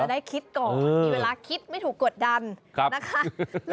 จะได้คิดของอืมมีเวลาคิดไม่ถูกกดดันครับนะคะ